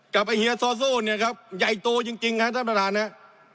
ไอ้เฮียซอโซ่เนี่ยครับใหญ่โตจริงครับท่านประธานครับ